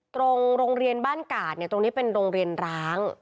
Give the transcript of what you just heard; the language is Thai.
โรงเรียนบ้านกาดตรงนี้เป็นโรงเรียนร้าง